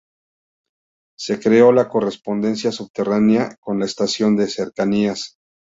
Se creó la correspondencia subterránea con la estación de cercanías.